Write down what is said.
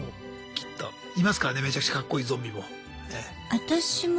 きっといますからねめちゃくちゃかっこいいゾンビも。